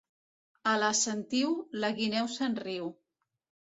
A la Sentiu, la guineu se'n riu.